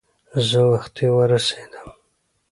زه وختي ور ورسېدم.